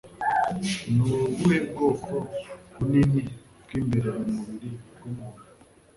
Ni ubuhe bwoko bunini bw'imbere mu mubiri w'umuntu?